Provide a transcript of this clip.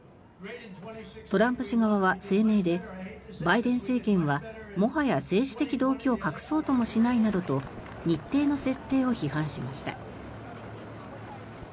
トランプ氏側は声明でバイデン政権はもはや政治的動機を隠そうともしないなどと日程の設定を批判しました。